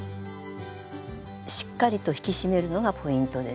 しっかりと引き締めるのがポイントです。